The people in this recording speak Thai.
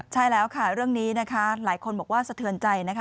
ใช่แล้วค่ะเรื่องนี้นะคะหลายคนบอกว่าสะเทือนใจนะคะ